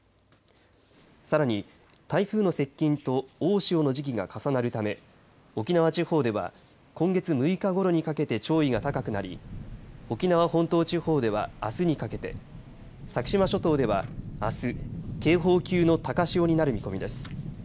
さらに台風の接近と大潮の時期が重なるため沖縄地方では今月６日ごろにかけて潮位が高くなり沖縄本島地方では、あすにかけて先島諸島ではあす、警報級の高潮になる見込みです。